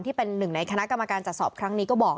ที่เป็นหนึ่งในคณะกรรมการจัดสอบครั้งนี้ก็บอก